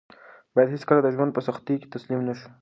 باید هېڅکله د ژوند په سختیو کې تسلیم نه شو.